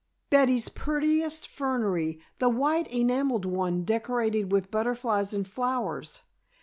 "Betty's prettiest fernery, the white enameled one decorated with butterflies and flowers.